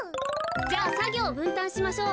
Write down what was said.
じゃあさぎょうをぶんたんしましょう。